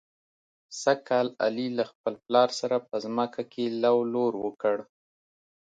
سږ کال علي له خپل پلار سره په ځمکه کې لو لور وکړ.